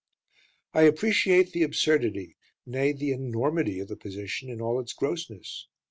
I appreciate the absurdity, nay, the enormity of the position in all its grossness.